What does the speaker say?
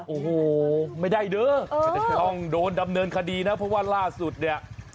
โอ้โหไม่ได้เด้อต้องโดนดำเนินคดีนะเพราะว่าล่าสุดเนี่ย